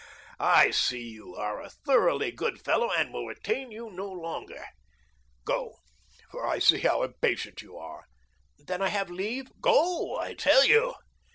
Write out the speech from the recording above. I see you are a thoroughly good fellow, and will detain you no longer. Go, for I see how impatient you are." "Then I have leave?" "Go, I tell you."